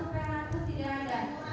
satu peratus tidak ada